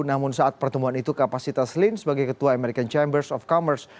namun saat pertemuan itu kapasitas lin sebagai ketua american chambers of commerce